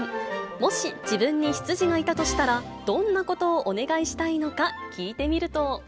もし自分に執事がいたとしたら、どんなことをお願いしたいのか聞いてみると。